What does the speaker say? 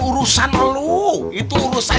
urusan lu itu urusan